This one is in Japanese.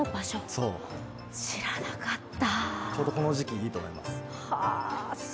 ちょうどこの時期、いいと思います